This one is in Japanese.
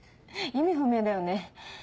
意味不明だよね。